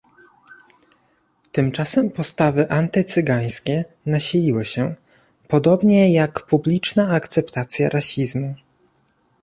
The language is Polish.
Tym czasem postawy antycygańskie nasiliły się, podobnie, jak publiczna akceptacja rasizmu